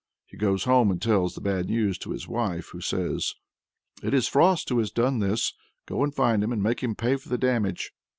He goes home, and tells the bad news to his wife, who says, "It is Frost who has done this. Go and find him, and make him pay for the damage!"